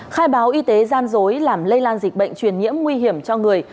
khai báo y tế gian dối làm lây lan dịch bệnh truyền nhiễm nguy hiểm cho người